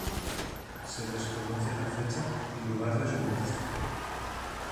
Se desconoce la fecha y lugar de su muerte.